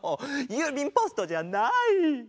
ゆうびんポストじゃない！